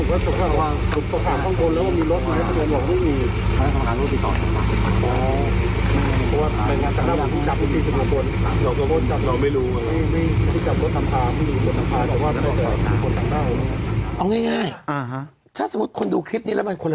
เราจะไม่รู้คุณสามารถห้องไงถ้าสมมุติคุณดูคลิปนี้แล้วมันควร